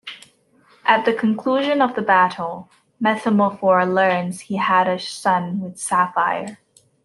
At the conclusion of the battle, Metamorpho learns he had a son with Sapphire.